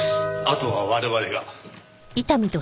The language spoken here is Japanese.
あとは我々が。